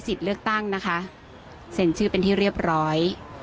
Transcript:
เลือกตั้งนะคะเซ็นชื่อเป็นที่เรียบร้อย